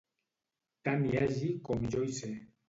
Tant hi hagi com jo hi sé.